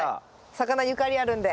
魚ゆかりあるんで。